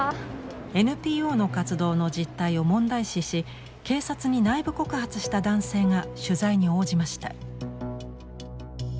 ＮＰＯの活動の実態を問題視し警察に内部告発した男性が取材に応じました。